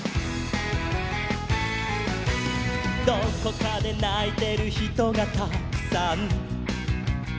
「どこかでないてるひとがたくさん」